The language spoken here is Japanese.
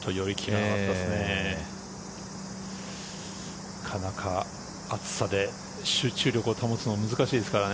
なかなか暑さで集中力を保つのが難しいですからね。